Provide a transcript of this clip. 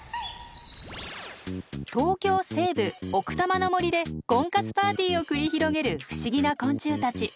東京西部奥多摩の森で婚活パーティーを繰り広げる不思議な昆虫たち。